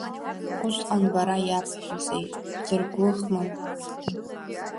Усҟан, бара иабҳәазеи дбыргәыӷма?